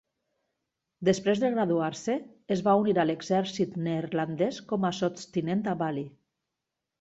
Després de graduar-se, es va unir a l'exèrcit neerlandès com a sotstinent a Bali.